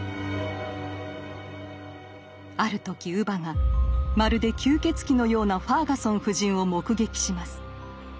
ある時乳母がまるで吸血鬼のようなファーガソン夫人を目撃します。